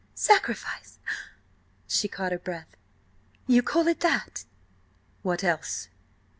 "Sacrifice!" She caught her breath. "You call it that!" "What else?"